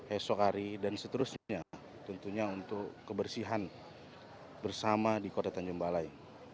esok hari dan seterusnya tentunya untuk kebersihan bersama di kota tanjung balai